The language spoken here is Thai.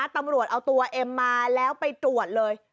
ตำรวจเอาตัวเอ็มมาแล้วไปตรวจเลย